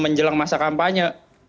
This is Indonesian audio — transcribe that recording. menjelang masa kampanye